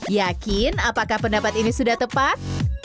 yakin apakah pendapat ini sudah tepat